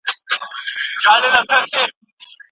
د راتلونکي لپاره دقیق اټکلونه وکړئ.